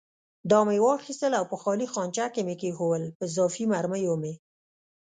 دا مې واخیستل او په خالي خانچه کې مې کېښوول، په اضافي مرمیو مې.